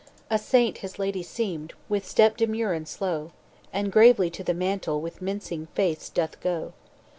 "A saint his lady seemed, With step demure and slow, And gravely to the mantle With mincing face doth go.